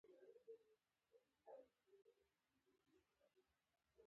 جګی جګی ساقی راشه، پس له عمره راپخلا شه